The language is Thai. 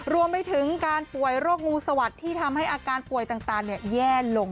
รวมไปถึงการป่วยโรคงูสวัสดิ์ที่ทำให้อาการป่วยต่างแย่ลง